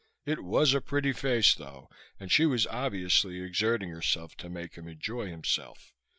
It was a pretty face, though, and she was obviously exerting herself to make him enjoy himself.